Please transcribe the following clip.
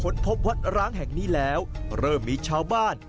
พบวัดร้างแห่งนี้แล้วเริ่มมีชาวบ้าน